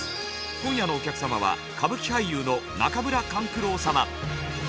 今夜のお客様は歌舞伎俳優の中村勘九郎様。